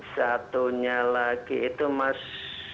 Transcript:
satunya lagi itu mas